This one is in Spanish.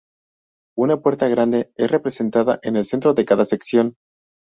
Una puerta grande es representada en el centro de cada sección.